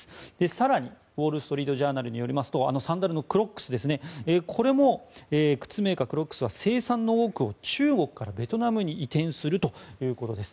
更にウォール・ストリート・ジャーナルによりますとあのサンダルのクロックス靴メーカーは生産の多くを中国からベトナムに移転するということです。